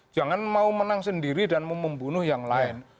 jangan mau menang sendiri dan membunuh yang lain